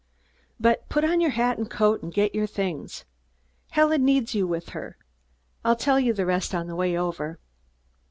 But put on your hat and coat and get your things. Helen needs you with her. I'll tell you the rest on the way over."